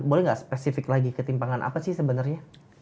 boleh nggak spesifik lagi ketimpangan apa sih sebenarnya